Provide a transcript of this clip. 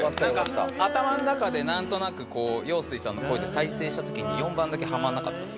頭の中でなんとなくこう陽水さんの声で再生した時に４番だけハマらなかったです。